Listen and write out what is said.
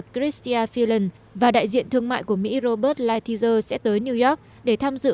chrystia phelan và đại diện thương mại của mỹ robert lighthizer sẽ tới new york để tham dự